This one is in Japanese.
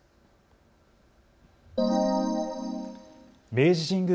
明治神宮